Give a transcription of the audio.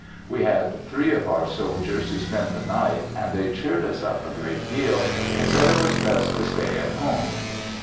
We had three of our soldiers to spend the night, and they cheered us up a great deal, and said it was best to stay at home.